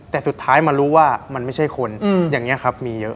แต่สุดท้ายมารู้ว่ามันไม่ใช่คนอย่างนี้ครับมีเยอะ